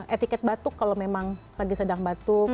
etiket batuk kalau memang lagi sedang batuk